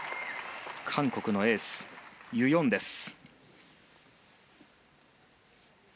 韓国のエース、ユ・ヨンです。